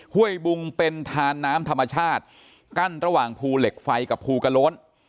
ห้วยบุงเป็นทานน้ำธรรมชาติกั้นระหว่างภูเหล็กไฟกับภูกระโล้น